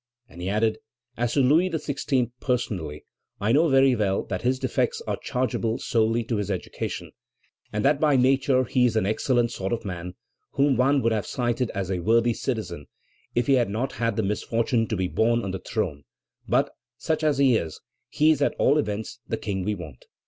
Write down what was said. And he added: "As to Louis XVI. personally, I know very well that his defects are chargeable solely to his education, and that by nature he is an excellent sort of man, whom one would have cited as a worthy citizen if he had not had the misfortune to be born on the throne; but, such as he is, he is at all events the King we want.